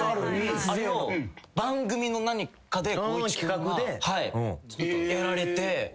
あれを番組の何かで光一君がやられて。